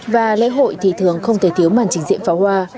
và lễ hội thì thường không thể thiếu màn chỉnh diện pháo hoa